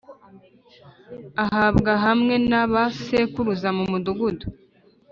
Ahambwa hamwe na ba sekuruza mu mudugudu